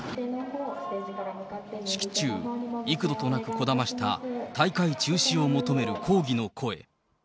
式中、幾度となくこだました大会中止を求める抗議の声。